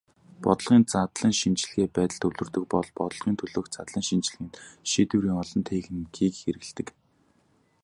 Бодлогын задлан шинжилгээ байдалд төвлөрдөг бол бодлогын төлөөх задлан шинжилгээнд шийдвэрийн олон техникийг хэрэглэдэг.